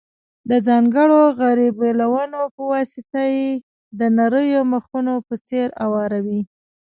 د ځانګړو غربیلونو په واسطه یې د نریو مخونو په څېر اواروي.